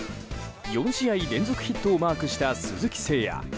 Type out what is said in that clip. ４試合連続ヒットをマークした鈴木誠也。